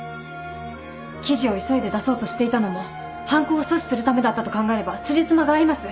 記事を急いで出そうとしていたのも犯行を阻止するためだったと考えればつじつまが合います。